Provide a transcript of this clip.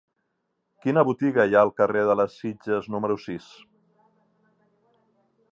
Quina botiga hi ha al carrer de les Sitges número sis?